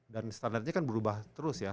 dan standarnya kan berubah terus ya